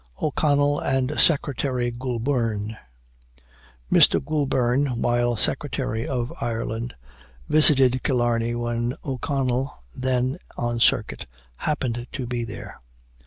O'CONNELL AND SECRETARY GOULBURN. Mr. Goulburn, while Secretary for Ireland, visited Killarney, when O'Connell (then on circuit) happened to be there.